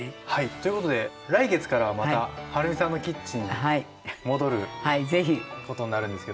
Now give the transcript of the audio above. ということで来月からはまたはるみさんのキッチンに戻ることになるんですけども。